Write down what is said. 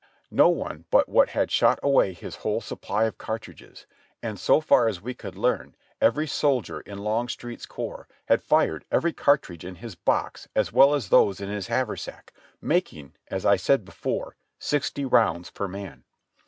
Not one but w^hat had shot away his whole sup ply of cartridges, and so far as we could learn, every soldier in Longstreet's Corps had fired every cartridge in his box as well as "those in his haversack, making, as I said before, sixty rounds per man.